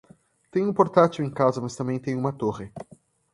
Tenho um portátil em casa mas também tenho uma torre.